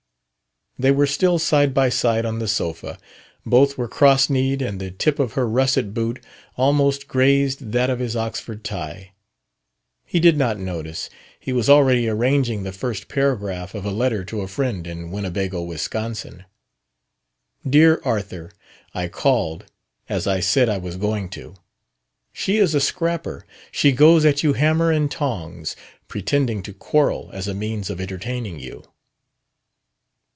They were still side by side on the sofa. Both were cross kneed, and the tip of her russet boot almost grazed that of his Oxford tie. He did not notice: he was already arranging the first paragraph of a letter to a friend in Winnebago, Wisconsin. "Dear Arthur: I called, as I said I was going to. She is a scrapper. She goes at you hammer and tongs pretending to quarrel as a means of entertaining you..."